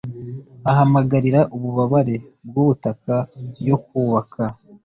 ahamagarira ububabare bwubutaka yo kubaka